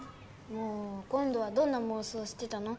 もう今度はどんなもうそうしてたの？